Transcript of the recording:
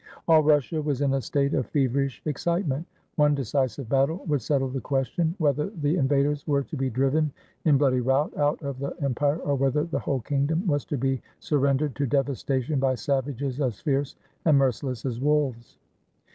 All Russia was in a state of feverish excitement. One decisive battle would settle the question, whether the 40 HOW RUSSIA WAS FREED FROM TARTARS invaders were to be driven in bloody rout out of the empire, or whether the whole kingdom was to be sur rendered to devastation by savages as fierce and merci less as wolves.